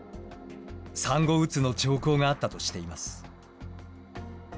産後うつの兆候があったとしています。